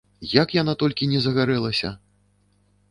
Як яна толькі не загарэлася?